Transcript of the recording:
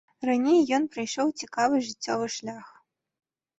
Раней ён прайшоў цікавы жыццёвы шлях.